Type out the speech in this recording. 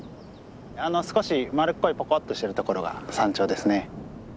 あの少し丸っこいポコッとしてるところが山頂ですね。